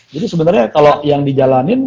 jadi sebenernya kalo yang di jalanin